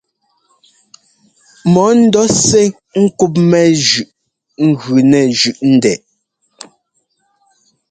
Mɔ ńdɔɔsɛ́ ŋ́kúpmɛ zʉꞌ gʉ nɛ zʉꞌ ndɛꞌ ɛ.